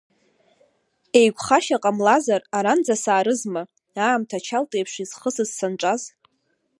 Еиқәхашьа ҟамлазар, аранӡа саарызма, аамҭа ачалт еиԥш изхысыз санҿаз?!